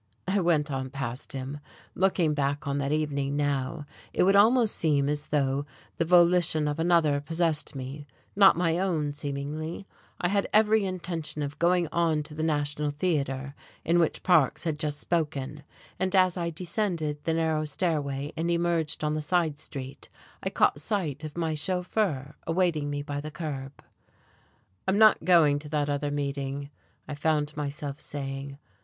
I went on past him. Looking back on that evening now, it would almost seem as though the volition of another possessed me, not my own: seemingly, I had every intention of going on to the National Theatre, in which Parks had just spoken, and as I descended the narrow stairway and emerged on the side street I caught sight of my chauffeur awaiting me by the curb. "I'm not going to that other meeting," I found myself saying.